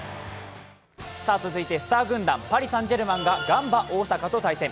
続いてスター軍団パリ・サン＝ジェルマンがガンバ大阪と対戦。